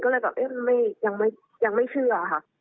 ก็เลยแบบยังไม่เชื่อค่ะ